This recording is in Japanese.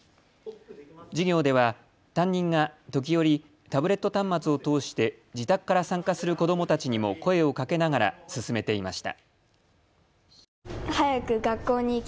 授業では担任が時折、タブレット端末を通して自宅から参加する子どもたちにも声をかけながら進めていました。